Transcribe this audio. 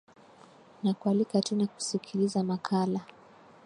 na kualika tena kusikiliza makala